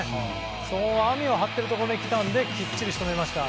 その網を張ってるところに来たのできっちり仕留めました。